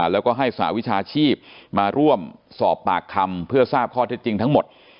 แล้วก็ให้สหวิชาชีพมาร่วมสอบปากคำเพื่อทราบข้อเท็จจริงทั้งหมด